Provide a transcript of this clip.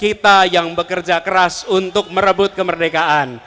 kita yang bekerja keras untuk merebut kemerdekaan